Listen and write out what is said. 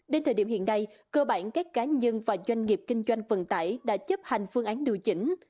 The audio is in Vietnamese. đến thời điểm hiện nay cơ bản các cá nhân và doanh nghiệp kinh doanh vận tải đã chấp hành phương án điều chỉnh